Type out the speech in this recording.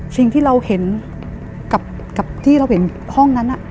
สิ่งที่เราเห็นกับที่เราเห็นห้องนั้น